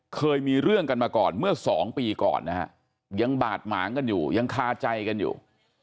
เคยมีเรื่องกันมาก่อนเมื่อสองปีก่อนนะฮะยังบาดหมางกันอยู่ยังคาใจกันอยู่